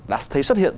đã thấy xuất hiện